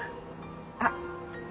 あっ。